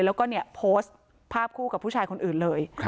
แล้วก็เนี่ยโพสต์ภาพคู่กับผู้ชายคนอื่นเลย